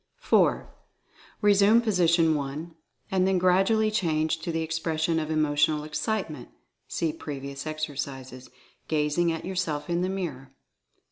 222 Mental Fascination 4. Resume position 1, and then gradually change to the expression of Emotional Excitement (see pre vious exercises) gazing at yourself in the mirror.